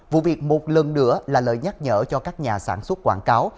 vụ việc một lần nữa là lời nhắc nhở cho các nhà sản xuất quảng cáo